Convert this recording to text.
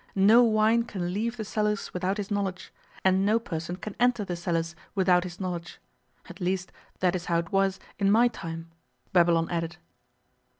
No wine can leave the cellars without his knowledge, and no person can enter the cellars without his knowledge. At least, that is how it was in my time,' Babylon added.